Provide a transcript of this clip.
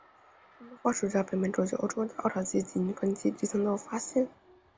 它们的化石在北美洲及欧洲的奥陶纪及泥盆纪地层都有发现。